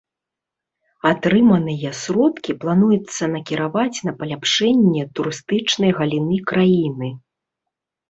Атрыманыя сродкі плануецца накіраваць на паляпшэнне турыстычнай галіны краіны.